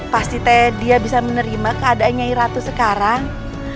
pasti teh dia bisa menerima keadaan nyai ratu sekarang